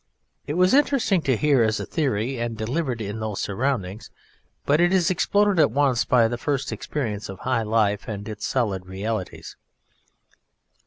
It was interesting to hear as a theory and delivered in those surroundings, but it is exploded at once by the first experience of High Life and its solid realities.